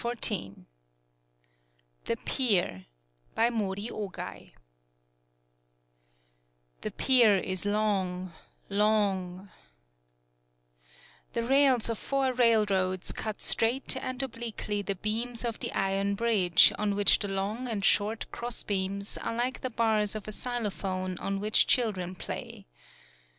51 THE PIER THE PIER By MORI OGWAI pier is long leng The rails of four railroads cut straight and obliquely the beams of the iron bridge on which the long and short cross beams are like the bars of a xylo phone on which children play.